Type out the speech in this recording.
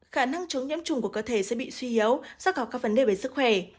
khả năng chống nhiễm trùng của cơ thể sẽ bị suy yếu do có các vấn đề về sức khỏe